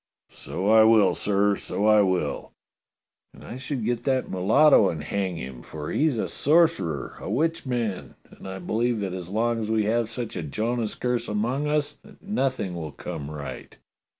" So I will, sir, so I will !" "And I should get that mulatto and hang him, for he's a sorcerer, a witchman; and I believe that as long as we have such a Jonah's curse among us that nothing will come right."